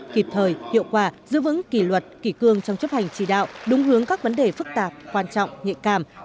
kịp thời hiệu quả giữ vững kỳ luật kỳ cương trong chấp hành trì đạo đúng hướng các vấn đề phức tạp quan trọng nhẹ cảm